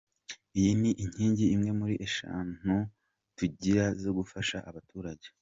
Iyi ni inkingi imwe muri eshanu tugira zo gufasha abaturage.